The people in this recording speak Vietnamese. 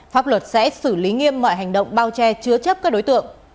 pháp luật sẽ xử lý nghiêm mọi hành động bao che chứa chấp các đối tượng